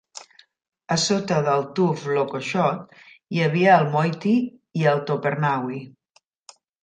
A sota del tuf Lokochot hi havia el Moiti i el Topernawi.